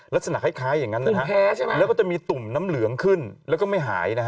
ลักษณะคล้ายอย่างนั้นนะฮะแล้วก็จะมีตุ่มน้ำเหลืองขึ้นแล้วก็ไม่หายนะฮะ